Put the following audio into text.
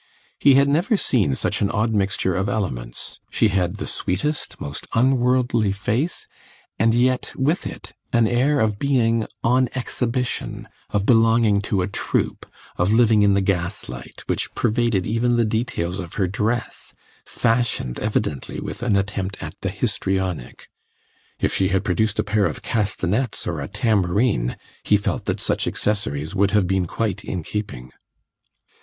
He had never seen such an odd mixture of elements; she had the sweetest, most unworldly face, and yet, with it, an air of being on exhibition, of belonging to a troupe, of living in the gaslight, which pervaded even the details of her dress, fashioned evidently with an attempt at the histrionic. If she had produced a pair of castanets or a tambourine, he felt that such accessories would have been quite in keeping.